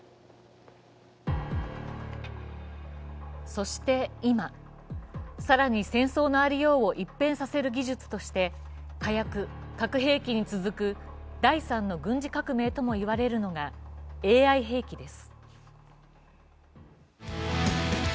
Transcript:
そして今、更に戦争のありようを一変させる技術として火薬、核兵器に続く第３の軍事革命とも言われるのがＡＩ兵器です。